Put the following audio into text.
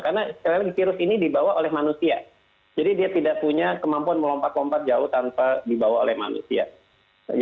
karena sekali lagi virus ini dibawa oleh manusia jadi dia tidak punya kemampuan melompat lompat jauh tanpa dibawa oleh manusia